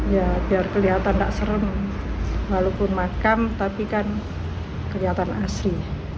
ya biar kelihatan tak serem walaupun makam tapi kan kelihatan asli